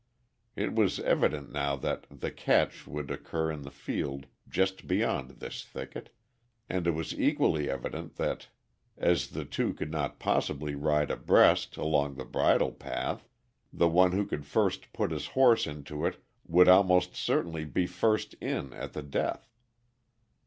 It was evident now that "the catch" would occur in the field just beyond this thicket, and it was equally evident that as the two could not possibly ride abreast along the bridle path, the one who could first put his horse into it would almost certainly be first in at the death.